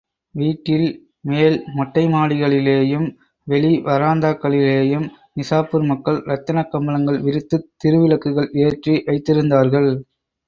வீட்டில் மேல்மொட்டை மாடிகளிலேயும் வெளி வராந்தாக்களிலேயும், நிசாப்பூர் மக்கள் இரத்தினக் கம்பளங்கள் விரித்துத் திருவிளக்குகள் ஏற்றி வைத்திருந்தார்கள்.